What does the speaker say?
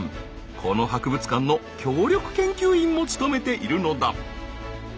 この博物館の協力研究員も務めているのだ。